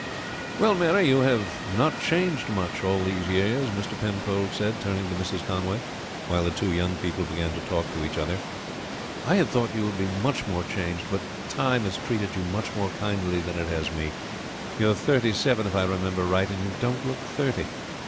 "Well, Mary, you have not changed much all these years," Mr. Penfold said turning to Mrs. Conway, while the two young people began to talk to each other. "I had thought you would be much more changed; but time has treated you much more kindly than it has me. You are thirty seven, if I remember right, and you don't look thirty.